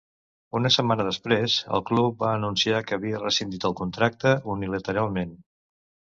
Una setmana després el club va anunciar que havia rescindit el contracte unilateralment.